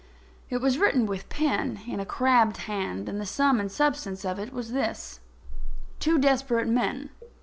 It was written with a pen in a crabbed hand, and the sum and substance of it was this: _Two Desperate Men.